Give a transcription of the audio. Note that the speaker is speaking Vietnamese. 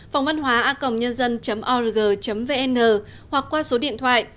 phòngvănhoaacomnhân dân org vn hoặc qua số điện thoại hai nghìn bốn trăm ba mươi hai sáu trăm sáu mươi chín năm trăm linh tám